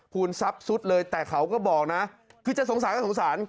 ทรัพย์สุดเลยแต่เขาก็บอกนะคือจะสงสารก็สงสาร